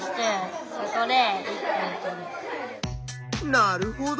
なるほど！